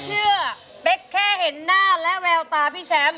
ร้องได้ร้องได้